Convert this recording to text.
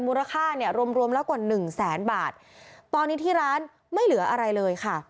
มูลค่าเนี่ยรวมรวมแล้วกว่าหนึ่งแสนบาทตอนนี้ที่ร้านไม่เหลืออะไรเลยค่ะ